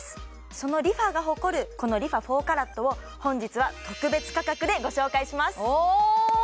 そのＲｅＦａが誇るこのＲｅＦａ４ＣＡＲＡＴを本日は特別価格でご紹介しますおお！